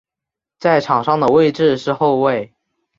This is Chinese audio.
在场上的位置是后卫。